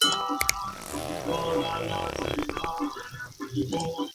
Junto a Jules Rimet, creador de la Copa Mundial de Fútbol.